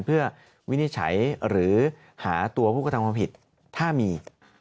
เพื่อวินิจฉัยหรือหาตัวผู้กระทำความผิดถ้ามี